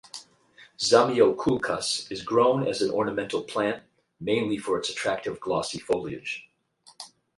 "Zamioculcas" is grown as an ornamental plant, mainly for its attractive glossy foliage.